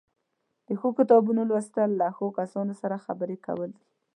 د ښو کتابونو لوستل له ښو کسانو سره خبرې کول دي.